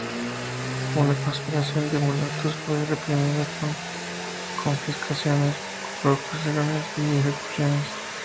Una conspiración de mulatos fue reprimida con confiscaciones, proscripciones y ejecuciones.